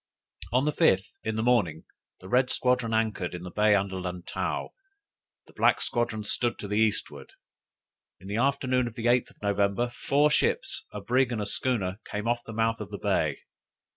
"On the fifth, in the morning, the red squadron anchored in a bay under Lantow; the black squadron stood to the eastward. In the afternoon of the 8th of November, four ships, a brig, and a schooner came off the mouth of the bay.